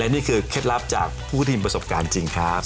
และนี่คือเคล็ดลับจากผู้ทิมประสบการณ์จริงครับ